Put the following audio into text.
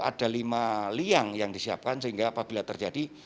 ada lima liang yang disiapkan sehingga apabila terjadi